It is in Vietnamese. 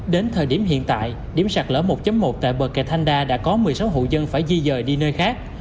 đến thời điểm hiện tại điểm sạc lỡ một một tại bờ kề thanh đa đã có một mươi sáu hữu dân phải di dời đi nơi khác